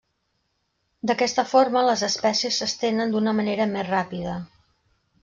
D’aquesta forma les espècies s’estenen d’una manera més ràpida.